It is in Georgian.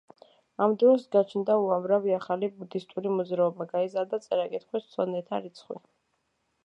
ამ დროს გაჩნდა უამრავი ახალი ბუდისტური მოძრაობა, გაიზარდა წერა-კითხვის მცოდნეთა რიცხვი.